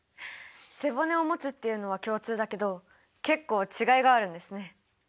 背骨をもつっていうのは共通だけど結構違いがあるんですね。